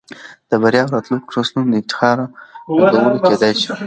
د بريا او راتلونکو نسلونه د افتخار الګو کېدى شي.